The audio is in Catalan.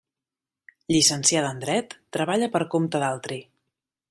Llicenciada en Dret, treballa per compte d'altri.